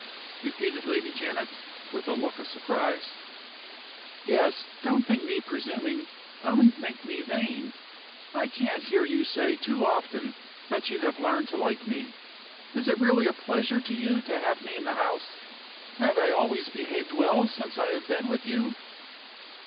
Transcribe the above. repeated Lady Janet, with a look of surprise. "Yes! Don't think me presuming; only think me vain. I can't hear you say too often that you have learned to like me. Is it really a pleasure to you to have me in the house? Have I always behaved well since I have been with you?"